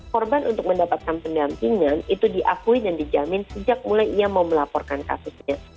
korban untuk mendapatkan pendampingan itu diakui dan dijamin sejak mulai ia mau melaporkan kasusnya